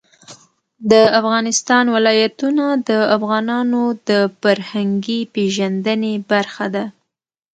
د افغانستان ولايتونه د افغانانو د فرهنګي پیژندنې برخه ده.